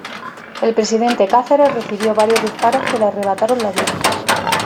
El presidente Cáceres recibió varios disparos que le arrebataron la vida.